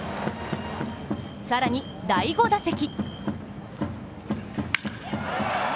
更に第５打席。